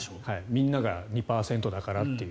みんなが２％だからという。